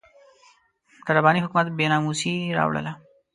د رباني حکومت بې ناموسي راواړوله.